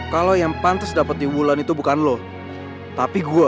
kalau yang pantas dapet di wulan itu bukan lo tapi gue